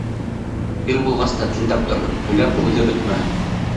Ир булғас, тәтелдәп торһон, һөйләп һүҙе бөтмәһен!